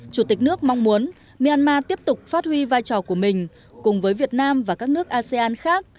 chủ tịch nước mong muốn myanmar tiếp tục phát huy vai trò của mình cùng với việt nam và các nước asean khác